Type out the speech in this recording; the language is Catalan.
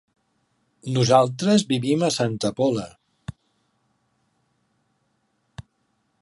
Nosaltres vivim a Santa Pola.